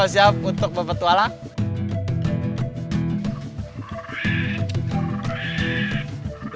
siap untuk berpetualang